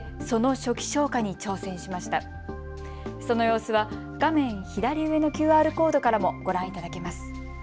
その様子は画面左上のＱＲコードからもご覧いただけます。